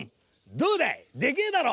どうだいでけえだろ？」。